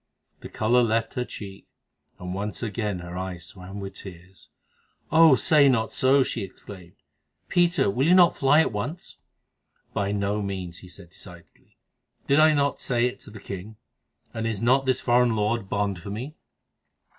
The colour left her cheek, and once again her eyes swam with tears. "Oh! say not so," she exclaimed. "Peter, will you not fly at once?" "By no means," he answered decidedly. "Did I not say it to the king, and is not this foreign lord bond for me?"